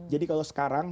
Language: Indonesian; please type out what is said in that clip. jadi kalau sekarang